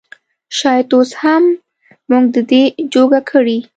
شايد اوس هم مونږ د دې جوګه کړي